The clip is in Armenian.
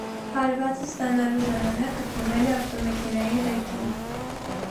Հարվածն ստանալու ժամանակ գտնվել է ավտոմեքենայի ղեկին։